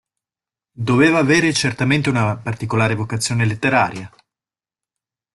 Doveva avere certamente una particolare vocazione letteraria.